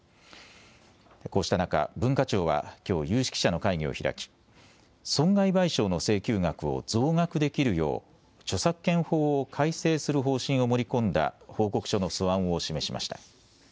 こうした中、文化庁はきょう有識者の会議を開き損害賠償の請求額を増額できるよう著作権法を改正する方針を盛り込んだ報告書の素案を示しました。